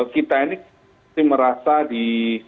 kita ini merasa di